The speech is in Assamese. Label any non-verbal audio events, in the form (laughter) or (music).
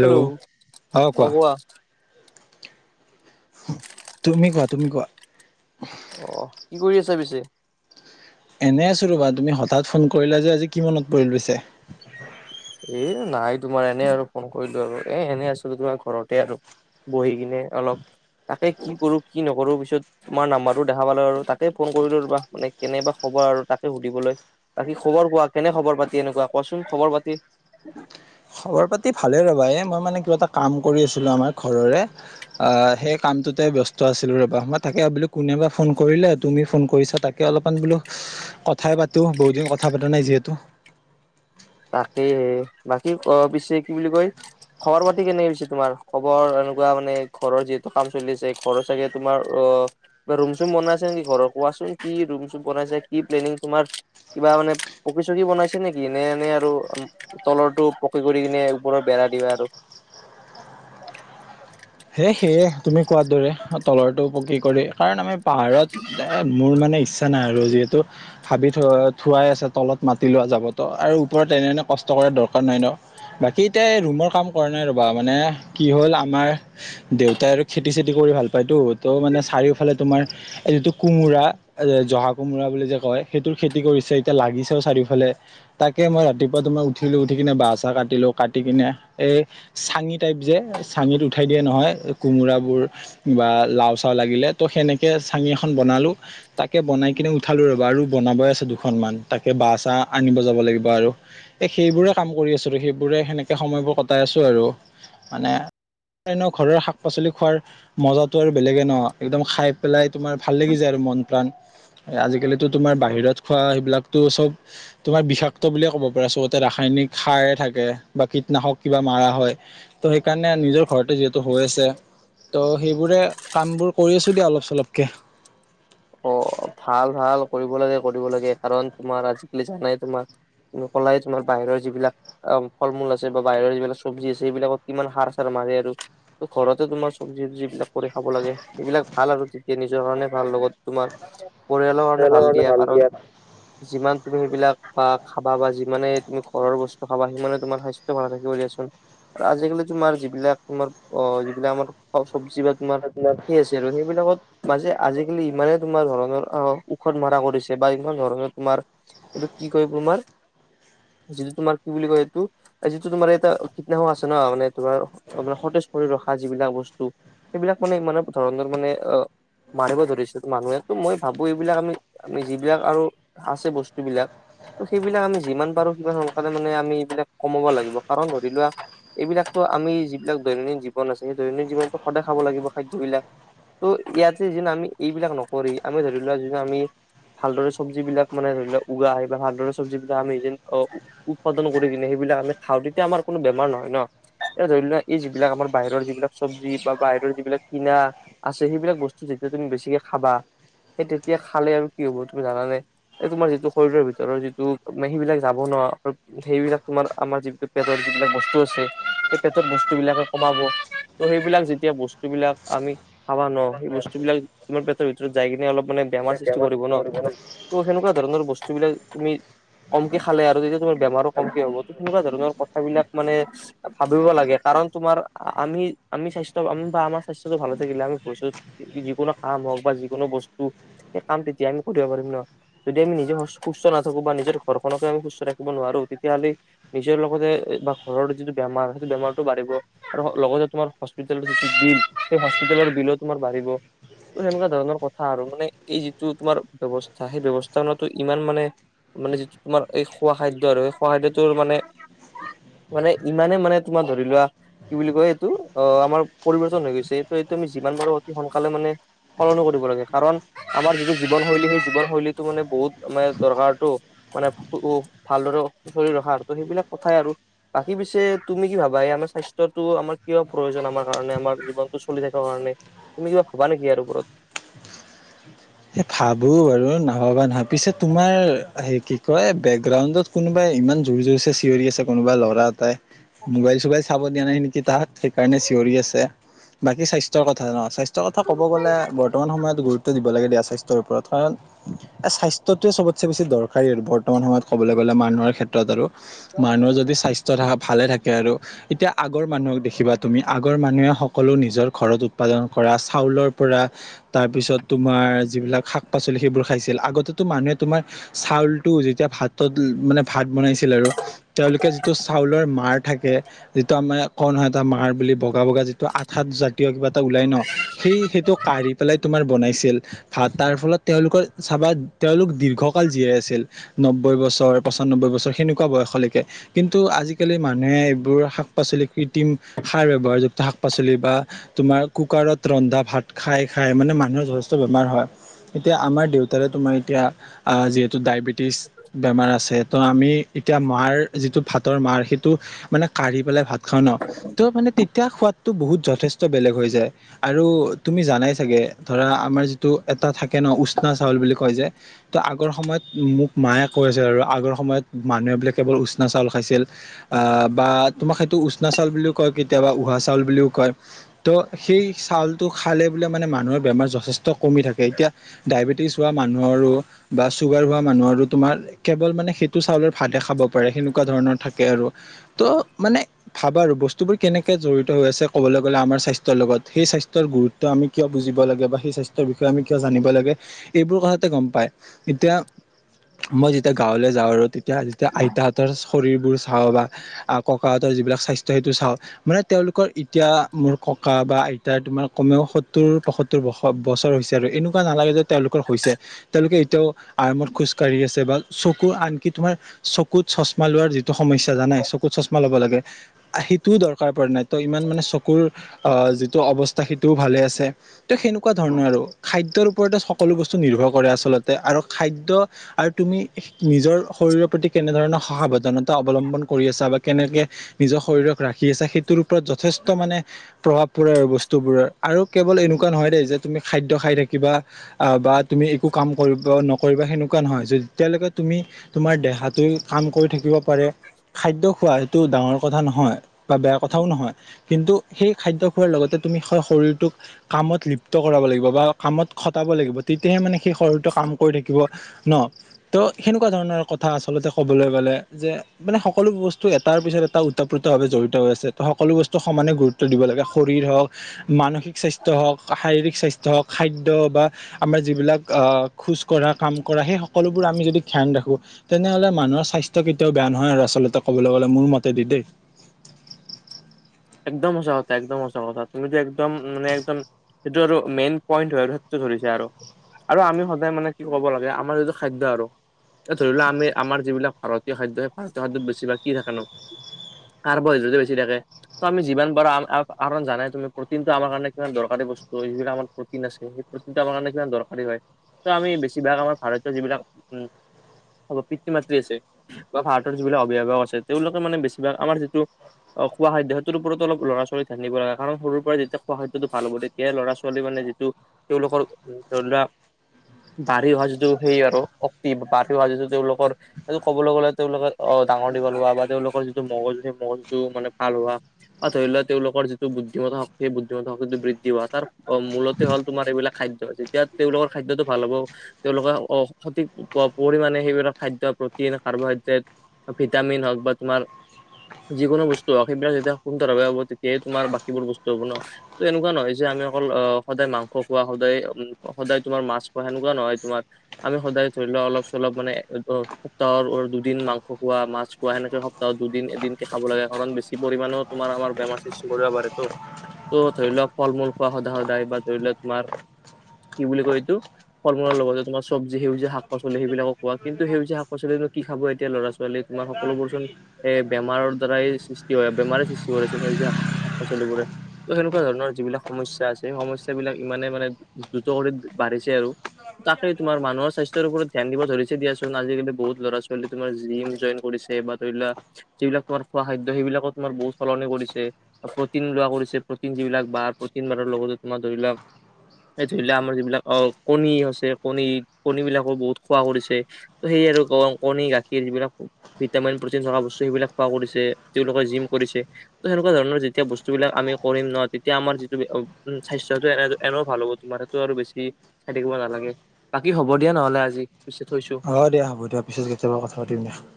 হেল্ল? অ' কোৱা? তুমি কোৱা তুমি কোৱা? অহ', কি কৰি আছা পিছে? এনেই আছো ৰ'বা! তুমি হঠাৎ ফোন কৰিলা যে আজি কি মনত পৰিল পিছে? এ' নাই তোমাৰ এনেই আৰু ফোন কৰিলো আৰু এ' এনে আছিলো তোমাৰ ঘৰতে আৰু। বহি কিনে অলপ, তাকে কি কৰো কি নকৰো পিছত তোমাৰ নাম্বাৰটো দেখা পালো আৰু তাকে ফোন কৰিলো ৰবা মানে কেনেবা খবৰ আৰু তাকে সুধিবলৈ। বাকী খবৰ কোৱা কেনে খবৰ - পাতি এনেকুৱা কোৱাচোন খবৰ - পাতি? খবৰ - পাতি ভালে ৰ'বা, এই মই মানে কিবা এটা কাম কৰি আছিলো আমাৰ ঘৰৰে। অ', সেই কামটোতে ব্যস্ত আছিলো ৰবা, মই তাকে আ বুলি কোনেবা ফোন কৰিলে? তুমি ফোন কৰিছা তাক তে অলপমান বোলো কথাই পাতোঁ, বহুত দিন কথা পতা নাই যিহেতু। তাকে বাকী অ', পিছে কি বুলি কয় খবৰ - পাতি কেনে হৈছে তোমাৰ? খবৰ এনেকুৱা মানে ঘৰৰ যিহেতু কাম চলি আছে ঘৰৰ চাগে তোমাৰ অ বা ৰুম - চুম বনাইছে নেকি ঘৰৰ কোৱাচোন? কি ৰুম চুম বনাইছে? কি প্লেনিং তোমাৰ কিবা মানে পকী - চকী বনাইছে নেকি নে এনে ইয়া টো আম তলৰটো পকি কৰি কিনে ওপৰত বেৰা দিওঁ আৰু। হে' সেয়ে। তুমি কোৱাৰ দৰে তলৰটো পকী কৰি কাৰণ আমি পাহাৰত দে মোৰ মানে ইচ্ছ তা নাই আৰু যিহেতু হাবি থ - থোৱাই আছে তলত মাটি লোৱা যাবতো আৰু ওপৰত এনেনে কষ্ট কৰা দৰকাৰ নাই ন। বাকী এতিয়া ৰুমৰ কাম কৰা নাই ৰ'বা মানে কি হ'ল আমাৰ দেউতাই আৰু খেতি - চেতি কৰি ভাল পায়তো, ত মানে চাৰিওফালে তোমাৰ এই যিটো কোমোৰা এ' জহা কোমোৰা বুলি যে কয় সেইটোৰ খেতি কৰিছে এতিয়া লাগিছেও চাৰিওফালে। তাকে মই ৰাতিপুৱা তোমাৰ উঠিলো, উঠি কিনে বাঁহ - চাহ কাটিলো, কাটি কিনে এই চাঙি টাইপ যে চাঙিটো উঠাই দিয়ে নহয় কোমোৰাবোৰ বা লাও - চাও লাগিলে ত সেনেকে চাঙি এখন বনালোঁ। তাকে বনাই কিনে উ ঠালো ৰবা আৰু বনাবই আছে দুখনমান তাকে বাহ - চাহ আনিব যাব লাগিব আৰু। এ' সেইবোৰে কাম কৰি আছো আৰু সেইবোৰে সেনেকে সময়বোৰ কটাই আছো আৰু মানে এনেও ঘৰৰ শাক - পাচলি খোৱাৰ মজাটো আৰু বেলেগে ন, একদম খাই পেলাই তোমাৰ ভাল লাগি যায় আৰু মন প্ৰাণ। এ আজিকালিতো তোমাৰ বাহিৰত খোৱা সেইবিলাকতো চব তোমাৰ বিষাক্ত বুলিয়ে ক'ব পাৰা, চবতে ৰাসায়নিক সাৰ থাকে বা কীটনাশক কিবা মাৰা হয় ত' সেইকাৰণে নিজৰ ঘৰতে যিহেতু হৈ আছে, ত' সেইবোৰে কামবোৰ কৰি আছো দিয়া অলপ - চলপকে। অ', ভাল - ভাল কৰিব লাগে কৰিব লাগে কাৰণ তোমাৰ আজিকালি জানাই তোমাৰ উম কলাই তোমাৰ বাহিৰৰ যিবিলাক অ', ফল - মূল আছে বা বাহিৰৰ যিবিলাক চব্জি আছে সেইবিলাকত কিমান সাৰ - চাৰ মাৰে আৰু। ত' ঘৰতে তোমাৰ চবজি - অবজিবিলাক কৰি খাব লাগে, সেইবিলাক ভাল আৰু তেতিয়া নিজৰ কাৰণে ভাল লগত তোমাৰ পৰিয়ালৰ কাৰণে ভাল দিয়া কাৰণ যিমান তুমি সেইবিলাক বা খাবা বা যিমানে তুমি ঘৰৰ বস্তু খাবা সিমানে তোমাৰ স্বাস্থ্য ভাল থাকিব দিয়াচোন। আজিকালি তোমাৰ যিবিলাক তোমাৰ অ যিবিলাক আমাৰ খোৱা চব্জি বা তোমাৰ সেই আছে আৰু সেইবিলাকত মাজে আজিকালি ইমানে তোমাৰ ধৰণৰ অ, ঔষধ মৰা কৰিছে বা ইমান ধৰণৰ তোমাৰ, এইটো কি কয় তোমাৰ যিটো তোমাৰ কি বুলি কয় এইটো? যিটো তোমাৰ এতিয়া কীটনাশ আছে ন, মানে তোমাৰে সতেজ কৰি ৰ আ, যিবিলাক বস্তু সেইবিলাক মানে ইমান ধৰণৰ মানে অ, মাৰিব ধৰিছো। মানুহো, মই ভাবো এইবিলাক আমি, আমি যিবিলাক আৰু আছে বস্তু বিলাক ত, সেইবিলাক আমি যিমান পাৰো সিমান সকাৰে মানে আমি এইবিলাক কমাব লাগিব, কাৰণ ধৰি লোৱা এইবিলাকটো আমি যিবিলাক দৈনন্দিন জীৱন আছে, সেই দৈনন্দিন জীৱনতটো সদায় খাব লাগিব খাদ্য বিলাক। ত, ইয়াতে যিন, আমি এইবিলাক নকৰি, আমি ধৰি লোৱা যোন আমি ভালদৰে চব্জিবিলাক মানে ধৰি লোৱা উগা, আহ বা ভালদৰে চব্জ বিলাক আমি এই যেন অ, উৎপাদন কৰি কিনে সেইবিলাক আমি খাওঁ, তেতিয়া আমাৰ কোনো বেমাৰ নহয় ন, এতিয়া ধৰি লোৱা এই যিবিলাক আমাৰ বাহিৰৰ যিবিলাক চব্জি, বা বাহিৰৰ যিবিলাক কিনা। আছে সেইবিলাক বস্তু যেতিয়া তুমি বেছিকে খাবা, সেই তেতিয়া খালে আৰু কি হ'ব তুমি জানানে? এই তোমাৰ যিটো শৰীৰৰ ভিতৰৰ যিটো মেহী, বিলাক যাব নোৱাৰা সেইবিলাক তোমাৰ আমাৰ যি, পেটৰ যিবিলাক বস্তু আছে, সেই পেটৰ বস্তু বিলাকে কমাব ত, সেইবিলাক যেতিয়া বস্তুবিলাক আমি খাবা নোয়াও, সেই বস্তুবিলাক আমাৰ পেটৰ ভিতৰত যাই কিনে, অলপ মানে বেমাৰ সৃষ্টি কৰিব ন, ত, সেনেকুৱা ধৰণৰ বস্তু বিলাক তুমি কমকে খালে, আৰু তেতিয়া তুমাৰ বেমাৰো কমকে হ'ব। তেনেকুৱা ধৰণৰ কথাবিলাক মানে ভাবিব লাগে, কাৰণ তোমাৰ আমি, আমি স্বাস্থ্য, আমাৰ স্বাস্থ্যটো ভালে থাকিলে আমি যিকোনো কাম হ'ওক বা যিকোনো বস্তু সেই কাম তেতিয়া আমি কৰিব পাৰিম নহ। যদি আমি নিজে সুস্থ নাথাকো বা নিজৰ ঘৰখনকে আমি সুস্থ ৰাখিব নোৱাৰো তেতিয়াহ'লে নিজৰ লগতে বা ঘৰৰ যিটো বেমাৰ, সেইটো বেমাৰটো বাঢ়িব। আৰু লগতে তোমাৰ হস্পিতেলৰ যিটো বিল, সেই হস্পিতেলৰ বিলো তোমাৰ বাঢ়িব। ত, সেনেকুৱা ধৰণৰ কথা আৰু, মানে এই যিটো তোমাৰ ব্যৱস্থা সেই ব্যৱস্থা ইমান মানে মানে যিটো তোমাৰ এই খোৱা খাদ্য আৰু সেই খোৱা খাদ্যটোৰ মানে মানে ইমানে মানে তোমাৰ ধৰি লোৱা কি বুলি কয় এইটো? অ, আমাৰ পৰিৱৰ্তন হৈ গৈছে, এইটো, এইটো আমি যিমান পাৰো অতি সোনকালে মানে সলনি কৰিব লাগে কাৰণ আমাৰ যিটো জীৱনশৈলী, সেই জীৱন শৈলীটো মানে বহুত মানে দৰকাৰতটো। মানে, ভালদৰে, ৰখা ত সেইবিলাক কথাই আৰু বাকী পিছে তুমি কি ভাবা, এই আমাৰ স্বাস্থ্যটো আমাৰ কিয় প্ৰয়োজন? আমাৰ কাৰণে আমাৰ জীৱনটো চলি থাকিব কাৰণে। তুমি কিবা ভাবা নেকি, ইয়াৰ ওপৰত। ভাবো বাৰু নাভাবা নহয়, পিছে তোমাৰ হে, কি, কয় বেকগ্ৰাউণ্ডত কোনোবাই ইমান জোৰ, জোৰ চিঞৰি আছে, কোনোবা ল'ৰা এটাই, মোবাইল-চোবাইল চাব দিয়া নাই নেকি তাক। সেইকাৰণে চিঞৰি আছে, বাকী স্বাস্থ্যৰ কথা ন, স্বাস্থ্যৰ কথা ক'ব গ'লে বৰ্তমান সময়ত গুৰুত্ব দিব লাগে দিয়া স্বাস্থ্যৰ ওপৰত, কাৰণ স্বাস্থ্যটোৱে চবতচে বেছি দৰকাৰ বৰ্তমান সময়ত ক'বলৈ গ'লে মানুহৰ ক্ষেত্ৰত আৰু, ওপৰত মানুহৰ যদি স্বাস্থ্য থা, ভালে থাকে আৰু এতিয়া আগৰ মানুহক দেখিবা তুমি, আগৰ মানুহে সকলো নিজৰ ঘৰত উৎপাদন কৰা চাউলৰ পৰা। তাৰ পিছত তোমাৰ যিবিলাক শাক- পাচলি সেইবোৰ খাইছিল আগতেটো মানুহে তোমাৰ চাউলট, যেতিয়া ভাতত মানে ভাত বনাইছিল আৰু। তেওঁলোকে যিটো চাউলৰ মাৰ থাকে। যিটো আমাৰ কও নহয় এটা মাৰ বুলি বগা, বগা যিটো আঠ সাত জাতীয় কিবা এটা ওলাই ন। সেই, সেইটো কাঢ়ি পেলাই তোমাৰ বনাইছিল। ভ, তাৰ ফলত তেওঁলোকৰ চাবা তেওঁলোক, দীৰ্ঘকাল জীয়াই আছিল। নব্বৈ বছৰ, পঁচান্নব্বৈ বছৰ, সেনেকুৱা বয়সলৈকে। কিন্তু আজি-কালি মানুহে এইবোৰ শাক-পাচলি কৃত্ৰিম সাৰ ব্যৱহাৰ যুক্ত শাক-পাচলি বা তোমাৰ কুকাৰত ৰন্ধা ভাত খাই খাই মানে মানুহৰ যথেষ্ট বেমাৰ হয়। এতিয়া আমাৰ দেউতাৰে তোমাৰ এতিয়া আ যিহেতু ডায়বেটিছ বেমাৰ আছে ত আমি এতিয়া মাৰ যিটো ভাতৰ মাৰ সেইটো মানে কাঢ়ি পেলাই ভাত খাও ন ত' মানে তেতিয়া সোৱাদটো বহুত যথেষ্ট বেলেগ হৈ যায়। আৰু তুমি জানাই চাগে ধৰা আমাৰ যিটো এটা থাকে ন উষ্ণা চাউল বুলি কয় যে ত আগৰ সময়ত মোক মায়ে কৈ আছিল আৰু আগৰ সময়ত মানুহে বোলে কেৱল উষ্ণা চাউল খাইছিল। আ বা তোমাক সেইটো উষ্ণা চাউল বুলিও কয়, কেতিয়াবা উহা চাউল বুলিও কয়। ত' সেই চাউল টো খালে বোলে মানে মানুহৰ বেমাৰ যথেষ্ট কমি থাকে এতিয়া ডায়বেটিছ হোৱা মানুহৰো বা চুগাৰ হোৱা মানুহৰো তোমাৰ কেৱল মানে সেইটো চাউলৰ ভাতে খাব পাৰে সেনেকুৱা ধৰণৰ থাকে আৰু ত' মানে ভাবা আৰু বস্তুবোৰ কেনেকে জড়িত হৈ আছে ক'বলে গ'লে আমাৰ স্বাস্থ্যৰ লগত সেই স্বাস্থ্যৰ গুৰু- ত্ব আমি কিয় বুজিব লাগে বা সেই স্বাস্থ্যৰ বি- ষয়ে আমি কিয় জানিব লাগে এইবোৰ কথাতে গম পাই এতিয়া মই যেতিয়া গাৱলে যাওঁ আৰু তেতিয়া যেতিয়া আইতাহঁতৰ শৰীৰবোৰ চাওঁ বা আৰু ককাহঁতৰ যিবিলাক স্বাস্থ্য সেইটো চাওঁ মানে তেওঁলোকৰ এতিয়া মোৰ ককা বা আইতা তোমাৰ কমেও সত্তৰ, পয়সত্তৰ বস বছৰ হৈছে। তে আৰু এনেকুৱা নালাগে যে তেওঁলোকৰ হৈছে তেওঁলোকে এতিয়াও আৰামত খোজকাঢ়ি আছে বা চকু আনকি তোমাৰ চকুত চশমা লোৱাৰ যিটো সমস্যা জানাই চকুত চশমা লব লাগে সেইটোও দৰকাৰ পৰা নাই ত' ইমান মানে চকুৰ আহ যিটো অৱস্থা সেইটোও ভালে আছে। ত সেনেকুৱা ধৰণৰ আৰু খাদ্যৰ ওপৰতে সকলো বস্তু নিৰ্ভৰ কৰে আচলতে আৰু খাদ্য আৰু তুমি নিজৰ শৰীৰৰ প্ৰতি কেনেধৰণৰ স সাৱধানতা অৱলম্বন কৰি আছা বা কেনেকে নিজৰ শৰীৰক ৰাখি আছে সেইটোৰ ওপৰত যথেষ্ট মানে প্ৰভাৱ পৰে আৰু বস্তুবোৰৰ আৰু কেৱল এনেকুৱা নহয় দেই যে তুমি খাদ্য খাই থাকিবা আ বা তুমি একো কাম কৰিব নকৰিবা সেনেকুৱা নহয় যেতিয়ালৈকে তুমি তোমাৰ দেহাতোই কাম কৰি থাকিব পাৰে খাদ্য খোৱা সেইটো ডাঙৰ কথা নহয় বা বেয়া কথাও নহয় কিন্তু সেই খাদ্য খোৱাৰ লগতে তুমি শ শৰীৰটোক কামত লিপ্ত কৰাব লাগিব বা কামত খটাব লাগিব তেতিয়াহে মানে সেই শৰীৰটোৱে কাম কৰি থাকিব ন ত' সেনেকুৱা ধৰণৰ কথা আচলতে ক'বলৈ গলে যে মানে সকলো বস্তু এটাৰ পিছত এটা উতপ্ৰোত ভাৱে জড়ি- ত আছে ত সকলো বস্তু সমানে গুৰুত্ব দিব লাগে শৰীৰ হওক, মানসিক স্বাস্থ্য হওক, শাৰীৰিক স্বাস্থ্য হওক খাদ্য বা আমাৰ যিবিলাক আহ খোজ কঢ়া, কাম কৰা সেই সকলোবোৰ আমি যদি ধ্যান ৰাখো তেনেহলে মানুহৰ স্বাস্থ্য কেতিয়াও বেয়া নহয় আৰু আচলতে ক'বলে গ'লে মোৰ মতেদি দেই। একদম সঁচাত একদম সঁচা কথা তুমি যে একদম মানে একদম সেইটো আৰু মেইন পইণ্ট হয় আৰু সেতোতে ধৰিছে আৰু। আৰু আমি সদায় মানে কি ক'ব লাগে আমাৰ যিটো খাদ্য আৰু এ ধৰি লোৱা আমি আমাৰ যিবিলাক ভাৰতীয় খাদ্য সেই ভাৰতীয় খাদ্যত বেছিভাগ কি থাকে নো কাৰ্বহাইড্ৰেডে বেছি থাকে। ত আমি যিমান পাৰো আম আফ আৰণ জানাই তুমি প্ৰ'টিন টো আমাৰ কাৰণে কিমান দৰকাৰী বস্তু সেইবিলাক আমাৰ প্ৰ'টিন আছে সেই প্ৰ'টিন টো আমাৰ কাৰণে কিমান দৰকাৰী হয় ত আমি বেছিভাগ আমাৰ ভাৰতীয় যিবিলাক উ হ'ব পিতৃ, মাতৃ আছে বা ভাৰতৰ যিবিলাক অভিভাৱক আছে তেওঁলোকে মানে বেছিভাগ আমাৰ যিটো অ খোৱা খাদ্য (unintelligible) ওপৰতো অলপ ল'ৰা-ছোৱালীৰ ধ্যান দিব লাগে কাৰণ সৰুৰ পৰা যেতিয়া খোৱা খাদ্যটো ভাল হ'ব তেতিয়া ল'ৰা-ছোৱালী মানে যিটো (unintelligible) তেওঁলোকৰ ধৰি লোৱা (unintelligible) বাঢ়ি অহা যিটো সেই আৰু শক্তি বাঢ়ি অহা যিটো তেওঁলোকৰ (unintelligible) সেইটো ক'বলৈ গ'লে তেওঁলোকে অ ডাঙৰ-দীঘল হোৱা বা তেওঁলোকৰ যিটো মগজু সেই মগজুটো মানে ভাল হোৱা। (unintelligible) ধৰি লোৱা তেওঁলোকৰ যিটো বুদ্ধিমত্তা শক্তি সেই বুদ্ধিমত্তা শক্তিটো বৃদ্ধি হোৱা। তাৰ মূলত (unintelligible) (unintelligible) হ'ল তোমাৰ এইবিলাক খাদ্য আছে যেতিয়া তেওঁলোকৰ খাদ্যটো ভাল হ'ব তেওঁলোকে সঠিক পৰিমানে সেইবিলাক খাদ্য প্ৰটিন, কাৰ্বহাইড্ৰেট (unintelligible) ভিটামিন হওক বা তোমাৰ যিকোনো বস্তু হওক সেইবিলাক যেতিয়া (unintelligible) সুন্দৰভাৱে হব তেতিয়াই তোমাৰ বাকীবোৰ বস্তু হ'ব ন। (unintelligible) ত এনেকুৱা নহয় যে আমি অকল অ সদায় মাংস খোৱা সদায়, সদায় তোমাৰ মাছ খোৱা সেনেকুৱা নহয় তোমাৰ (unintelligible) আমি সদায় ধৰি লোৱা অলপ-চলপ মানে অ সপ্তাহৰ দুদিন মাংস খোৱা, মাছ খোৱা সেনেকে (unintelligible) ত দুদিন, এদিনকে খাব লাগে কাৰণ বেছি পৰিমাণেও তোমাৰ আমাৰ বেমাৰ সৃষ্টি কৰিব পাৰেতো। (inaudible) ত' ধৰি লওক ফল-মূল খোৱা সদায়-সদায় বা ধৰি লওক তোমাৰ কি বুলি কয় এইটো (unintelligible) ফল-মূলৰ লগতে তোমাৰ চবজি সেউজীয়া শাক-পাচলি সেইবিলাক খোৱা। কিন্ত সেউজীয়া শাক-পাচলি কি খাব এতিয়া ল'ৰা-ছোৱালী তোমাৰ (unintelligible) সকলোবোৰ চোন সেই বেমাৰৰ দ্বাৰাই সৃষ্টি হয়। বেমাৰে সৃষ্টি কৰে চোন সেউজীয়া শাক পাচলিবোৰে। (unintelligible) ত সেনেকুৱা ধৰণৰ যিবিলাক সমস্যা আছে সেই সমস্যাবিলাক ইমানে মানে দ্ৰুত কৰি বাঢ়িছে আৰু। (unintelligible) তাকে তোমাৰ মানুহৰ স্বাস্থ্যৰ ওপৰত ধ্যান দিব ধৰিছে দিয়া চোন। আজিকালি বহুত ল'ৰা-ছোৱালী তোমাৰ জিম জইন কৰিছে বা (unintelligible) ধৰি লোৱা যিবিলাক তোমাৰ খোৱা খাদ্য সেইবিলাকত তোমাৰ বহুত (unintelligible) সলনি কৰিছে। প্ৰটিন লোৱা কৰিছে, প্ৰটিন যিবিলাক বাৰ প্ৰ'টিন বাৰাৰ লগতে তোমাৰ ধৰি লোৱা (unintelligible) এই ধৰি লোৱা আমাৰ যিবিলাক অ কণী আছে, কণী-কণী বিলাকো বহুত খোৱা কৰিছে। (unintelligible) ত সেয়েই আৰু ক-কণী, গাখীৰ যিবিলাক (unintelligible) ভিটামিন, প্ৰটিন থকা বস্তু সেইবিলাক খোৱা কৰিছে। তেওঁলোকে জিম কৰিছে। (unintelligible) ত তেনেকুৱা ধৰণৰ যেতিয়া বস্তুবিলাক আমি কৰিম ন। তেতিয়া আমাৰ যিটো (unintelligible) স্বাস্থ্যটো এনে এনেও ভাল হ'ব তোমাৰ। সেইটো আৰু বেছি চাই থাকিব নালাগে। বাকী হ'ব দিয়া নহলে আজি পিছে থৈছোঁ? (unintelligible) হ'ব দিয়া, হ'ব দিয়া পিছত কেতিয়াবা কথা পাতিম দিয়া। (unintelligible)